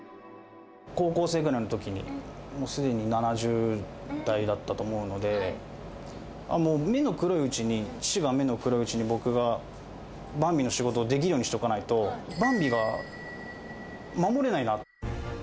高校生ぐらいのときに、もうすでに７０代だったと思うので、もう、目の黒いうちに、父が目の黒いうちに、僕がバンビの仕事をできるようにしとかないと、バンビが守れないな。